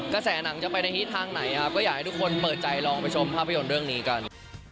กระแสหนังจะไปในทิศทางไหนครับก็อยากให้ทุกคนเปิดใจลองไปชมภาพยนตร์เรื่องนี้กัน